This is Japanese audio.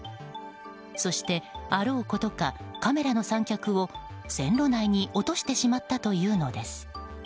そして、あろうことかカメラの三脚を線路内に落としてしまったというのです。